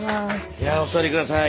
いやお座り下さい。